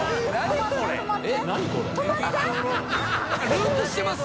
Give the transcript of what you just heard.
ループしてます？